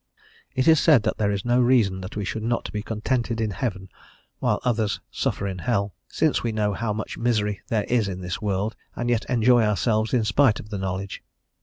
It is said that there is no reason that we should not be contented in heaven while others suffer in hell, since we know how much misery there is in this world and yet enjoy ourselves in spite of the knowledge.